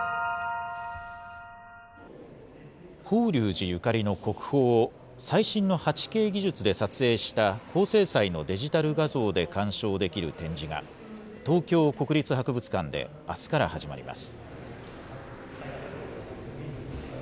法隆寺ゆかりの国宝を、最新の８Ｋ技術で撮影した高精細のデジタル画像で鑑賞できる展示が、東京国立博物館であすから始まります。